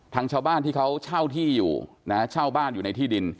ชาวบ้านที่เขาเช่าที่อยู่นะเช่าบ้านอยู่ในที่ดิน